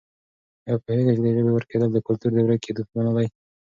آیا پوهېږې چې د ژبې ورکېدل د کلتور د ورکېدو په مانا دي؟